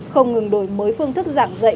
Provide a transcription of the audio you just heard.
không ngừng đổi mới phương thức dạng dạy